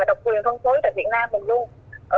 độc quyền phân phối tại việt nam mình luôn